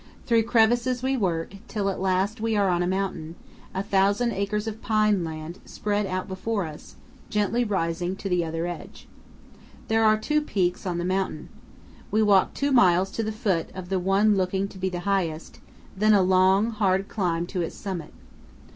Through crevices we work, till at last we are on the mountain, a thousand acres of pine laud spread out before us, gently rising to the other edge. There are two peaks on the mountain. We walk two miles to the foot of the one looking to be the highest, then a long, hard climb to its summit.